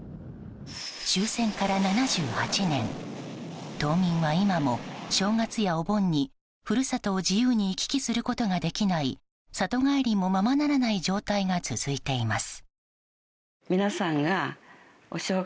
終戦から７８年、島民は今も正月やお盆に故郷を自由に行き来することができない里帰りも、ままならない状態が続いています。